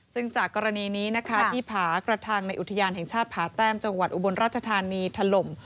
ซึ่งจากกรณีนี้นะคะที่ผากระทังในอุทยานแห่งชาติผาแต้มจังหวัดอุบลราชธานีถล่ม